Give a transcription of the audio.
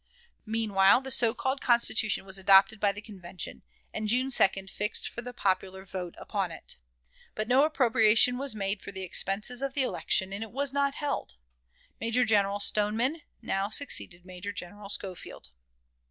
Meantime the so called Constitution was adopted by the Convention, and June 2d fixed for the popular vote upon it. But no appropriation was made for the expenses of the election, and it was not held. Major General Stoneman now succeeded Major General Schofield.